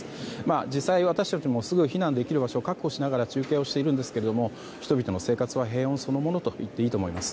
実際、私たちもすぐに避難できる場所を確保しながら中継をしているんですけど人々の生活は平穏そのものと言っていいと思います。